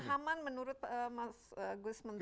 aman menurut mas gus menteri